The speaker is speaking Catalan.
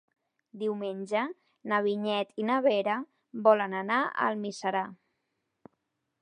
Diumenge na Vinyet i na Vera volen anar a Almiserà.